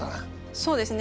そうですね。